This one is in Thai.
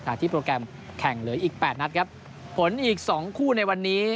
ที่โปรแกรมแข่งเหลืออีกแปดนัดครับผลอีกสองคู่ในวันนี้